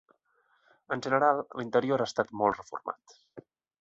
En general, l'interior ha estat molt reformat.